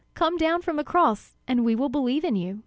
Come down from the cross, and we will believe in you!"